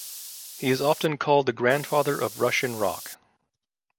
He is often called the 'Grandfather of Russian Rock'.